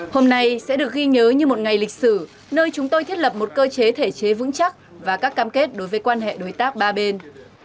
hôm nay sẽ được ghi nhớ như một ngày lịch sử nơi chúng tôi thiết lập một cơ chế thể chế vững chắc và các cam kết đối với quan hệ đối tác ba bên